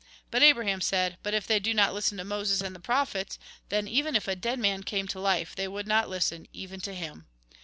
But Abraham said :' But if they do not listen to Moses and the prophets, then, even if a dead man came to life, they would not listen, even to him.'